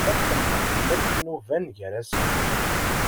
Akken xeddmen akk yinuban gar-asen.